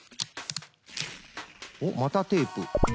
おっまたテープ。